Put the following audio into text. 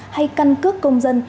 hay căn cước công dân